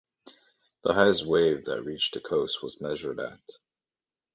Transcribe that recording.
The highest wave that reached the coast was measured at